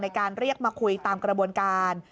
ในการเรียกมาคุยตามกระบวนการ